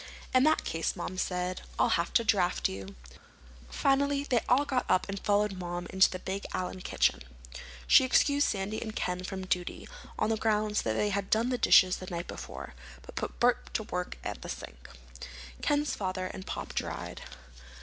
"In that case," Mom said, "I'll have to draft you." Finally they all got up and followed Mom into the big Allen kitchen. She excused Sandy and Ken from duty, on the grounds that they had done the dishes the night before, and put Bert to work at the sink. Ken's father and Pop dried.